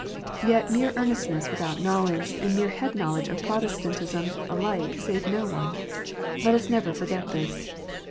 Yet mere earnestness without knowledge, and mere head knowledge of Protestantism, alike save none. Let us never forget this.